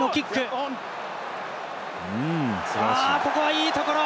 いいところ。